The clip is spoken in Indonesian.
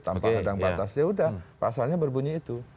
tanpa hadang batas ya sudah pasalnya berbunyi itu